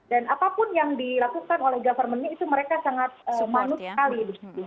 dan apapun yang dilakukan oleh governmentnya itu mereka sangat manu sekali